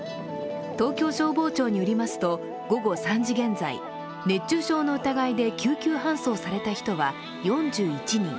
東京消防庁によりますと午後３時現在、熱中症の疑いで救急搬送された人は４１人。